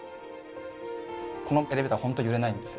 このエレベーターホント揺れないんですよ。